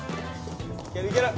いけるいける！